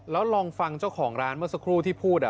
แล้วลองฟังเจ้าของร้านเมื่อสักครู่ที่พูด